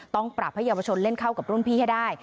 ต้องปรับให้เยาวชนเล่นเข้ากับรุ่นพี่ให้ได้